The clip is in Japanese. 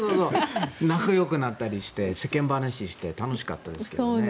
仲よくなったりして世間話をして楽しかったです。